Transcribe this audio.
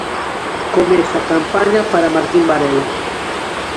Comeza a campaña para Martín Varela.